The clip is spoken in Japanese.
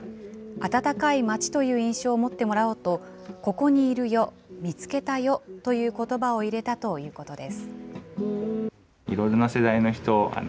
温かい街という印象を持ってもらおうと、ここにいるよ、見つけたよ、ということばを入れたということです。